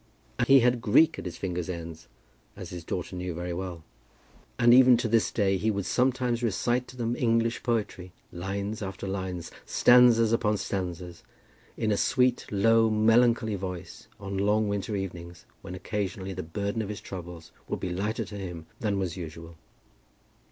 And he had Greek at his fingers' ends, as his daughter knew very well. And even to this day he would sometimes recite to them English poetry, lines after lines, stanzas upon stanzas, in a sweet low melancholy voice, on long winter evenings when occasionally the burden of his troubles would be lighter to him than was usual.